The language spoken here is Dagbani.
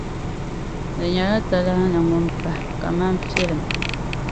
Di nyɛla talahi ni ŋun’ pahi, ka man’ filim.